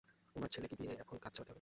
উনার ছেলেকে দিয়েই এখন কাজ চালাতে হবে।